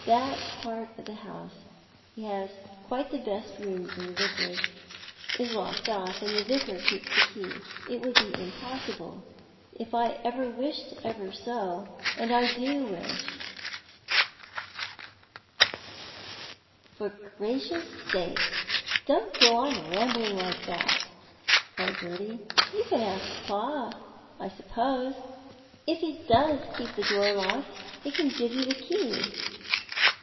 That part of the house — he has quite the best rooms in the Vicarage — is locked off, and the Vicar keeps the key. It would be impossible, if I wished ever so — and I do wisli " "For gracious sake don't go on rambling like that," cried Gerty. " You can ask pa, I suppose. If he does keep the door locked he can give you the key.